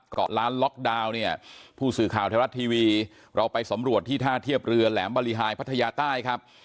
เกาะล้านล็อกดาวน์เนี่ยผู้สื่อข่าวไทยรัฐทีวีเราไปสำรวจที่ท่าเทียบเรือแหลมบริหายพัทยาใต้ครับ